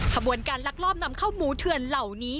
ขบวนการลักลอบนำเข้าหมูเถื่อนเหล่านี้